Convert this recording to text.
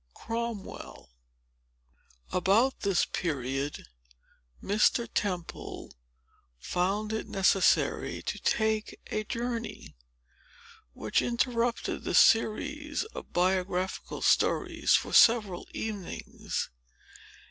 Chapter VI About this period, Mr. Temple found it necessary to take a journey, which interrupted the series of Biographical Stories for several evenings.